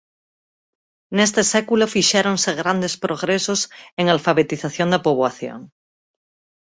Neste século fixéronse grandes progresos en alfabetización da poboación.